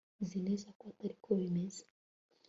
nzi neza ko atari ko bimeze